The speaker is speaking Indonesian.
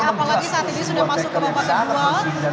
apalagi saat ini sudah masuk ke babak kedua